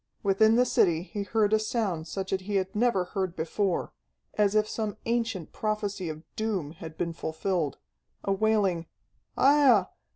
Within the city he heard a sound such as he had never heard before, as if some ancient prophecy of doom had been fulfilled, a wailing "Aiah!